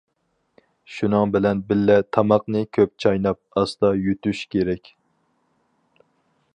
شۇنىڭ بىلەن بىللە، تاماقنى كۆپ چايناپ، ئاستا يۇتۇش كېرەك.